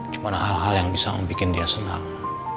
cuma hal hal yang bisa membuat dia senang